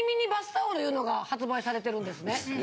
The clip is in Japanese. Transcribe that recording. いうのが発売されてるんですね。